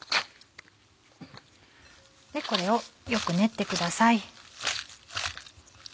これをよく練ってください。